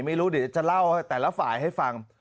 ไม่รู้เดี๋ยวจะเล่าให้แต่ละฝ่ายให้ฟัง